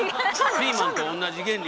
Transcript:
ピーマンと同じ原理。